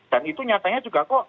dan itu nyatanya juga kok